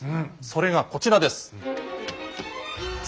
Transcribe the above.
それがこちらです。